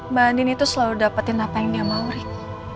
mbak andin itu selalu dapetin apa yang dia mau rick